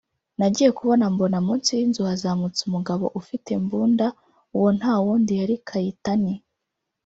nagiye kubona mbona munsi y’inzu hazamutse umugabo ufite mbunda uwo nta wundi yari Kayitani